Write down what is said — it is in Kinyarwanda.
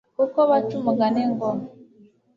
kuko baca umugani ngo